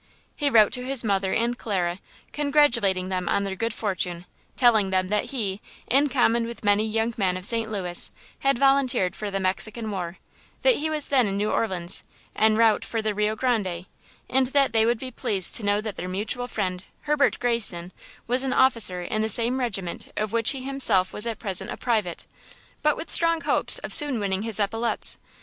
He wrote to his mother and Clara, congratulating them on their good fortune; telling them that he, in common with many young men of St. Louis, had volunteered for the Mexican War; that he was then in New Orleans, en route for the Rio Grande, and that they would be pleased to know that their mutual friend, Herbert Greyson, was an officer in the same regiment of which he himself was at present a private, but with strong hopes of soon winning his epaulettes.